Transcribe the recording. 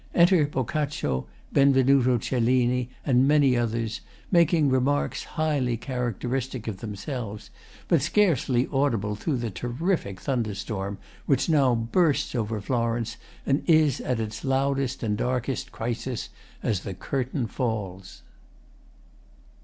Enter BOCCACCIO, BENVENUTO CELLINI, and many others, making remarks highly characteristic of themselves but scarcely audible through the terrific thunderstorm which now bursts over Florence and is at its loudest and darkest crisis as the Curtain falls.